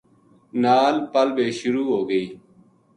نال پل بے شروع ہو گئی